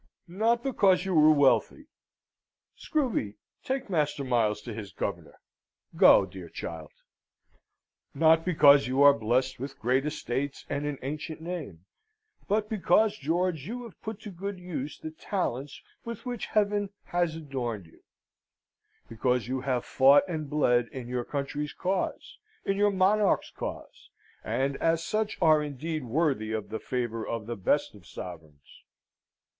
" not because you are wealthy! Screwby, take Master Miles to his governor. Go, dear child. Not because you are blest with great estates and an ancient name; but because, George, you have put to good use the talents with which Heaven has adorned you; because you have fought and bled in your country's cause, in your monarch's cause, and as such are indeed worthy of the favour of the best of sovereigns.